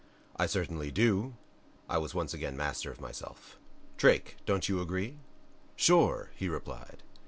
"I certainly DO." I was once more master of myself. "Drake don't you agree?" "Sure," he replied.